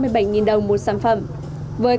với các loại lịch